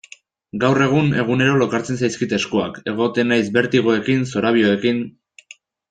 Gaur egun egunero lokartzen zaizkit eskuak, egoten naiz bertigoekin, zorabioekin...